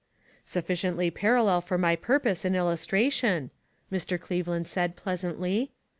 "" Sufficiently parallel for my purpose in illustration," Mr. Cleveland said, pleasantly.